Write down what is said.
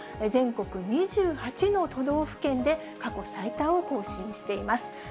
全国２８の都道府県で過去最多を更新しています。